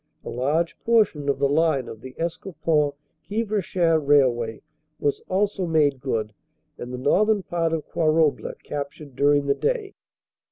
A large portion of the line of the Escaupont Quievrechain railway was also made good and the northern part of Quarouble captured during the day.